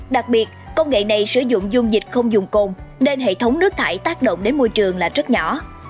đặc biệt công nghệ này sử dụng dung dịch không dùng cồn nên hệ thống nước thải tác động đến môi trường là rất nhỏ